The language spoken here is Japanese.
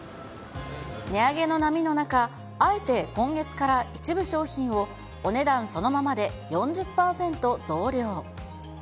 値上げの波の中、あえて今月から一部商品を、お値段そのままで４０％増量。